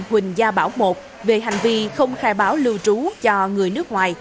huỳnh gia bảo i về hành vi không khai báo lưu trú cho người nước ngoài